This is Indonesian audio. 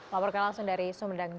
laporkan langsung dari sumedang